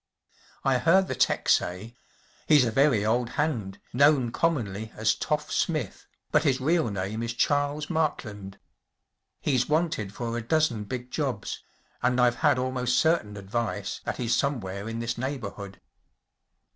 I heard the ’tec say : “ He’s a very old hand, known commonly as ‚ÄėToff‚Äô Smith, but his real name is Charles Markland. He’s wanted for a dozen big jobs, and I’ve had almost certain advice that he’s some¬ where in this neighbourhood.